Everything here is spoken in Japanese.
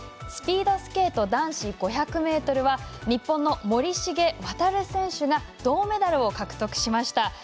スピードスケート男子５００ｍは日本の森重航選手が銅メダルを獲得しました。